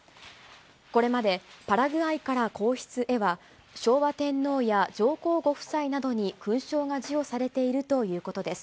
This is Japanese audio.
これまでパラグアイから皇室へは、昭和天皇や上皇ご夫妻などに勲章が授与されているということです。